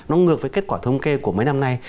nó ngược với kết quả thông kê của mấy năm nay